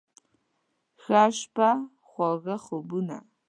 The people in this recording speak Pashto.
ښه شپه، خواږه خوبونه